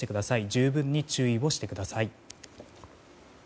十分に注意をしてください。